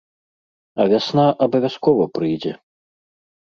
А вясна абавязкова прыйдзе.